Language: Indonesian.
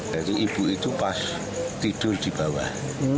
jadi ibu itu pas tidur di bawah